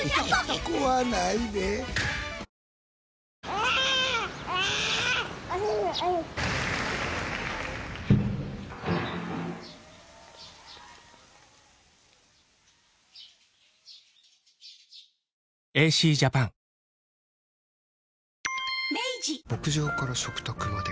あぁ牧場から食卓まで。